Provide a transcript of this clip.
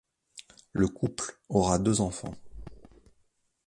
Le couple aura deux enfants.